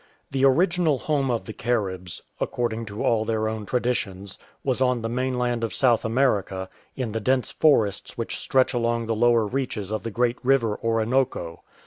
The original home of the Caribs, accord ing to all their own traditions, was on the mainland of South America, in the dense forests which stretch along the lower reaches of the great river Orinoco.